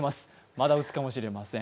まだ打つかもしれません。